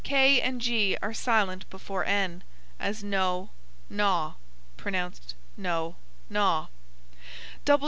K and G are silent before n; as know, gnaw; pronounced no, naw.